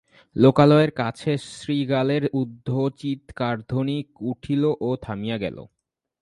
লোকালয়ের কাছে শৃগালের ঊর্ধ্বচীৎকারধ্বনি উঠিল ও থামিয়া গেল।